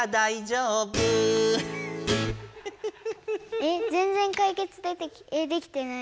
えっぜんぜん解決できてない。